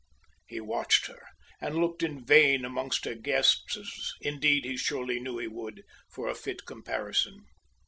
He watched her and looked in vain amongst her guests, as indeed he surely knew he would, for a fit comparison.